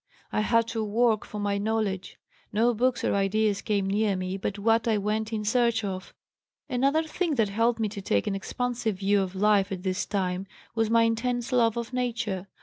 I had to work for my knowledge. No books or ideas came near me but what I went in search of. Another thing that helped me to take an expansive view of life at this time was my intense love of Nature.